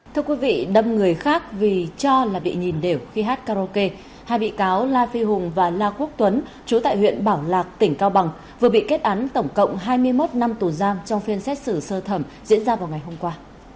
thưa quý vị đâm người khác vì cho là bị nhìn đều khi hát karaoke hai bị cáo la phi hùng và la quốc tuấn chú tại huyện bảo lạc tỉnh cao bằng vừa bị kết án tổng cộng hai mươi một năm tù giam trong phiên xét xử sơ thẩm diễn ra vào ngày hôm qua